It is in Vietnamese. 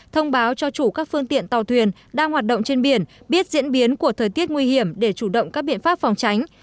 thông báo cho chủ các phương tiện tàu thuyền đang hoạt động trên biển biết diễn biến của thời tiết nguy hiểm để chủ động các biện pháp phòng tránh